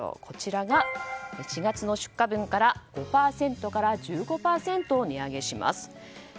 こちらが４月の出荷分から５％から１５％値上げします。